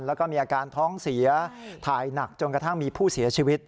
แล้วก็มีอาการท้องเสียถ่ายหนักจนกระทั่งมีผู้เสียชีวิต